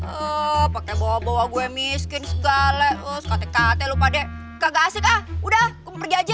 oh pake bawa bawa gue miskin segale sekate kate lo pade kagak asik ah udah aku mau pergi aja